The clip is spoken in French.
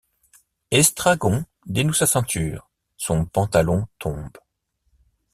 Estragon dénoue sa ceinture, son pantalon tombe.